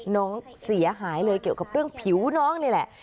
น้องเสียหายเลยเกี่ยวกับเรื่องผิวน้องนี่แหละ